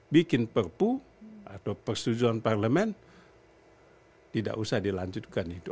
bikin perpu atau persetujuan parlemen tidak usah dilanjutkan itu